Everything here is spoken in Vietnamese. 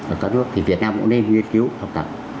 ở các nước thì việt nam cũng nên nghiên cứu học tập